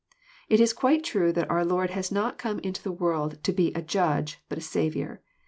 It was quite true that our Lord had not come into the world to be a Judge, but a Saviour.